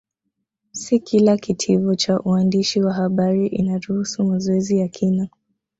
Si kila Kitivo cha uandishi wa habari inaruhusu mazoezi ya kina